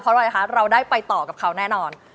เพราะอะไรคะเราได้ไปต่อกับเขาแน่นอน